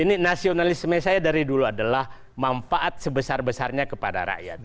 ini nasionalisme saya dari dulu adalah manfaat sebesar besarnya kepada rakyat